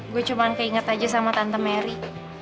gue cuman keinget aja sama tante mary